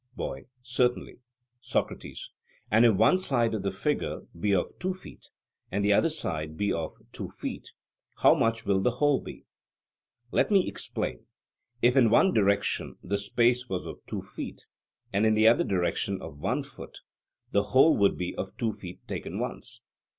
BOY: Certainly. SOCRATES: And if one side of the figure be of two feet, and the other side be of two feet, how much will the whole be? Let me explain: if in one direction the space was of two feet, and in the other direction of one foot, the whole would be of two feet taken once?